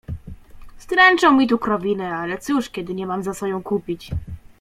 "Stręczą mi tu krowinę, ale cóż, kiedy nie mam za co ją kupić."